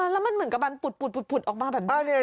แล้วมันเหมือนกับมันปุดออกมาแบบนี้